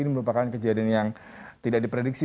ini merupakan kejadian yang tidak diprediksi